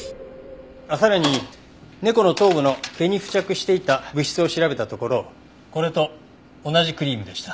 さらに猫の頭部の毛に付着していた物質を調べたところこれと同じクリームでした。